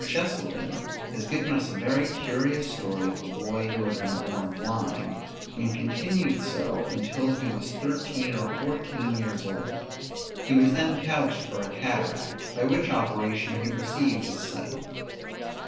Cheselden has given us a very curious story of a boy who had been born blind, and continued so until he was thirteen or fourteen years old; he was then couched for a cataract, by which operation he received his sight.